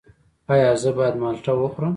ایا زه باید مالټه وخورم؟